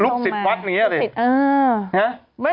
ลูกศิษย์วัดอย่างเงี้ยเลย